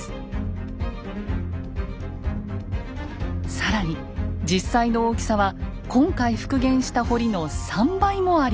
更に実際の大きさは今回復元した堀の３倍もありました。